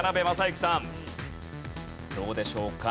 どうでしょうか？